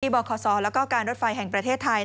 บคศแล้วก็การรถไฟแห่งประเทศไทย